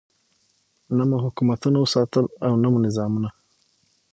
نه مو حکومتونه وساتل او نه مو نظامونه.